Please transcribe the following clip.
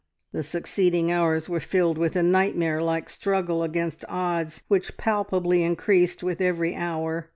The succeeding hours were filled with a nightmare like struggle against odds which palpably increased with every hour.